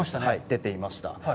出ていました。